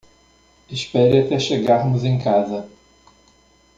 Espere até chegarmos em casa.